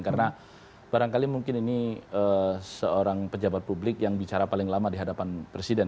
karena barangkali mungkin ini seorang pejabat publik yang bicara paling lama di hadapan presiden